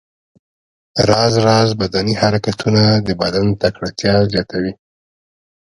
راز راز بدني حرکتونه د بدن تکړتیا زیاتوي.